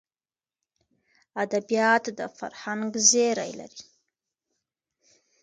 ادبیات د فرهنګ زېری لري.